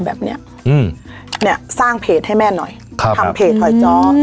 แบบเนี้ยอืมเนี้ยสร้างเพจให้แม่หน่อยครับทำเพจหอยจ้อ